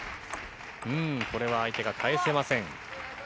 これは相手が返せません。